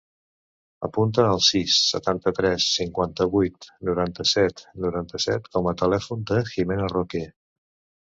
Apunta el sis, setanta-tres, cinquanta-vuit, noranta-set, noranta-set com a telèfon de la Jimena Roque.